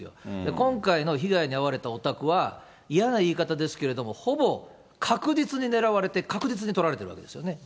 今回の被害に遭われたお宅は、嫌な言い方ですけど、ほぼ確実に狙われて、確実にとられているわけですよね。